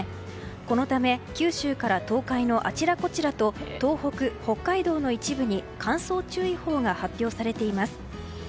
このため九州から東海のあちらこちらと東北、北海道の一部に乾燥注意報が発表されています。